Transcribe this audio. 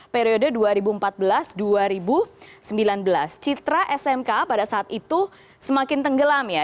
periode dua ribu empat belas dua ribu sembilan belas citra smk pada saat itu semakin tenggelam ya